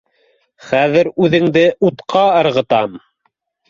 — Хәҙер үҙеңде утҡа ырғытам